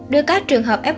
đưa các trường hợp f f một